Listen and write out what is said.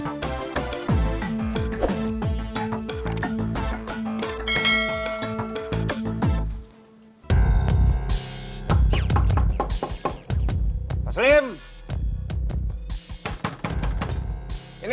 dan writers menyatakan